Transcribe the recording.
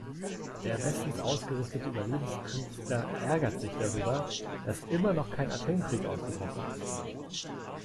Der bestens ausgerüstete Überlebenskünstler ärgert sich darüber, dass immer noch kein Atomkrieg ausgebrochen ist.